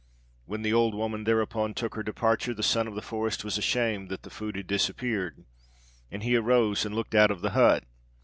When the old woman thereupon took her departure, the Son of the Forest was ashamed that the food had disappeared, and he arose and looked out of the hut.